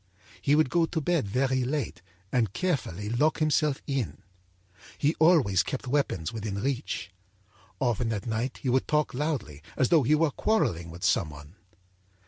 âHe would go to bed very late and carefully lock himself in. He always kept weapons within reach. Often at night he would talk loudly, as though he were quarrelling with some one.